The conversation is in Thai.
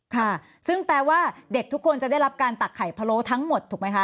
ค่ะซึ่งแปลว่าเด็กทุกคนจะได้รับการตักไข่พะโล้ทั้งหมดถูกไหมคะ